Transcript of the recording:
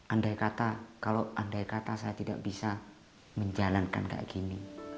andai kata kalau andai kata saya tidak bisa menjalankan kayak gini